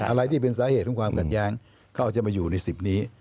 อะไรที่เป็นสาเหตุของความขัดแย้งก็จะมาอยู่ใน๑๐นี้